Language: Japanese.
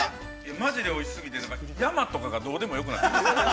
◆マジでおいし過ぎる、山とかがどうでもよくなってきた。